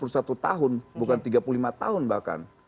minimumnya itu adalah dua puluh satu tahun bukan tiga puluh lima tahun bahkan